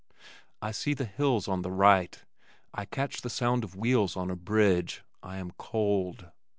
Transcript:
I see the hills on the right. I catch the sound of wheels on a bridge. I am cold.